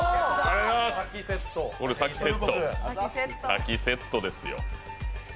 先セットですよ。